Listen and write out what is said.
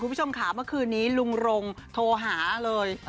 คุณผู้ชมค่ะเมื่อคืนนี้ลุงรงโทรหาเลย